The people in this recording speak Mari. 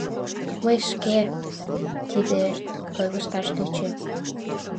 — Мый шке... тиде... — ойлышташ тӧчем.